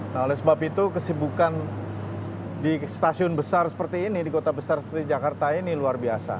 nah oleh sebab itu kesibukan di stasiun besar seperti ini di kota besar seperti jakarta ini luar biasa